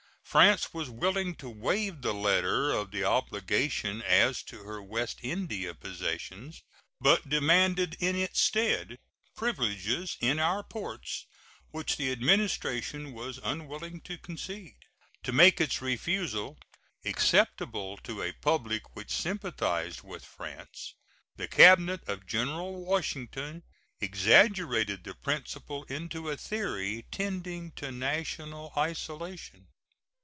France was willing to waive the letter of the obligation as to her West India possessions, but demanded in its stead privileges in our ports which the Administration was unwilling to concede. To make its refusal acceptable to a public which sympathized with France, the Cabinet of General Washington exaggerated the principle into a theory tending to national isolation.